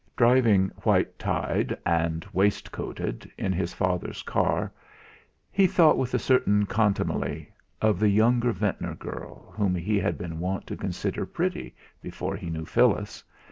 Driving, white tied and waist coated, in his father's car, he thought with a certain contumely of the younger Ventnor girl, whom he had been wont to consider pretty before he knew Phyllis.